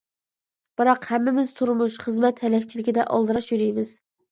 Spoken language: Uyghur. بىراق، ھەممىمىز تۇرمۇش، خىزمەت ھەلەكچىلىكىدە ئالدىراش يۈرىمىز.